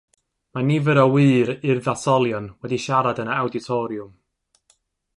Mae nifer o wŷr urddasolion wedi siarad yn yr Awditoriwm.